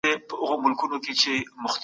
په لرغوني یونان کې ښار او دولت سره ورته وو.